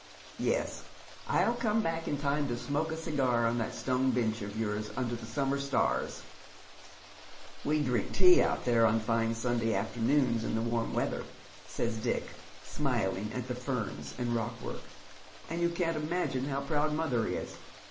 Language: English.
Yes, I'll come back in time to smoke a cigar on that stone bench of .yours uiKler the summer stftis," a 116 Dead Men's STioea. " "We drink tea out there on fine Sunday afternoons in the warm ■weather," eays Dick, smiling at the ferns and rockwork, " and you can't imagine how proud mother is.